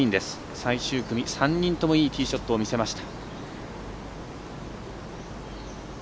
最終組、３人ともいいティーショットを見せました。